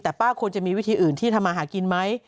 แต่ป้าควรจะมีวิธีอื่นที่ทำมาหากินไหม